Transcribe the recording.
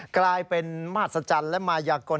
กลายเป็นมหัศจรรย์และมายากล